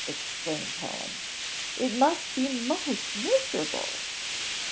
exclaimed Helen, "it must be most miserable."